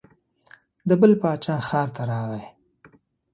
د بل باچا ښار ته راغی.